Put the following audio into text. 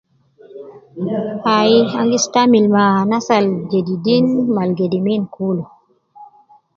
Ai an gi stamil ma anas al jedidin me al gedimin kulu